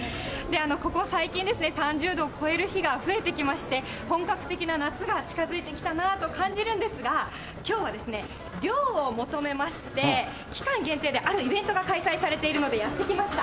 ここ最近ですね、３０度を超える日が増えてきまして、本格的な夏が近づいてきたなと感じるんですが、きょうは涼を求めまして、期間限定で、あるイベントが開催されているのでやって来ました。